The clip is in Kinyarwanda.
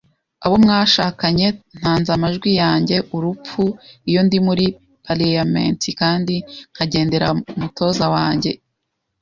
abo mwashakanye. Ntanze amajwi yanjye - urupfu. Iyo ndi muri Parlyment kandi nkagendera kumutoza wanjye, I.